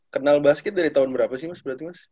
kenal basket dari tahun berapa sih mas berarti mas